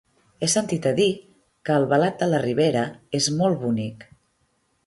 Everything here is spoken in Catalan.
He sentit a dir que Albalat de la Ribera és molt bonic.